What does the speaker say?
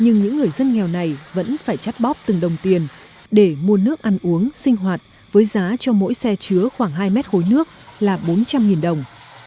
nhưng những người dân nghèo này vẫn phải chắt bóp từng đồng tiền để mua nước ăn uống sinh hoạt với giá cho mỗi xe chứa khoảng hai mét hối nước là bốn trăm linh đồng